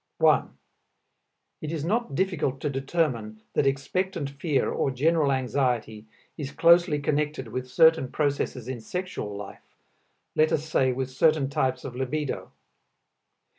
1. It is not difficult to determine that expectant fear or general anxiety is closely connected with certain processes in sexual life, let us say with certain types of libido.